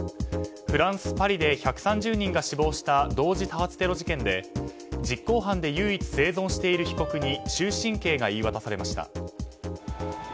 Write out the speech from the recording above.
フランス・パリで１３０人が死亡した同時多発テロ事件で実行犯で唯一生存している被告に終身刑が言い渡されました。